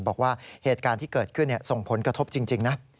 บอกว่าเหตุการณ์ที่เกิดขึ้นส่งผลกระทบจริงนะ